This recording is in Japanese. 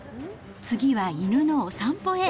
次は犬のお散歩へ。